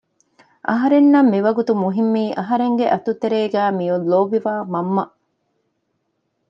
އަހަރެންނަށް މިވަގުތު މުހިއްމީ އަހަރެންގެ އަތުތެރޭގައި މިއޮތް ލޯބިވާ މަންމަ